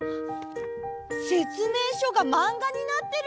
せつめいしょがまんがになってる！